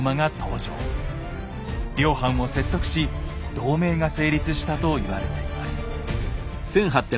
両藩を説得し同盟が成立したと言われています。